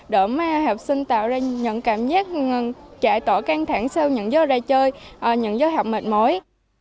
đỡ mà học sinh tạo ra những cảm giác chạy tỏ căng thẳng sau những gió ra chơi những gió học mệt mỏi